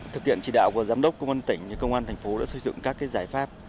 thực hiện chỉ đạo của giám đốc công an thành phố đã xây dựng các giải pháp